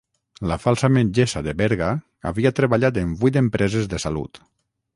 la falsa metgessa de Berga havia treballat en vuit empreses de salut